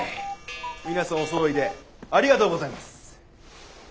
皆さんおそろいでありがとうございます。